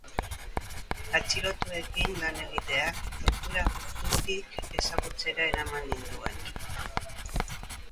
Atxilotuekin lan egiteak tortura gertutik ezagutzera eraman ninduen.